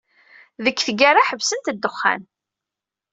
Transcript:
Deg tgara, ḥebsent ddexxan.